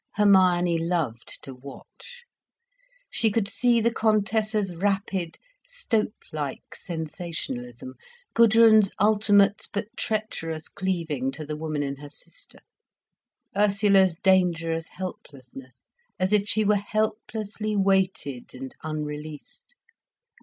Hermione loved to watch. She could see the Contessa's rapid, stoat like sensationalism, Gudrun's ultimate but treacherous cleaving to the woman in her sister, Ursula's dangerous helplessness, as if she were helplessly weighted, and unreleased.